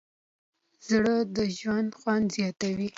زړه د ژوند خوند زیاتوي.